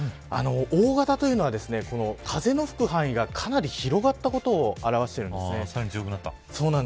大型というのは風の吹く範囲がかなり広がったことを表しているんです。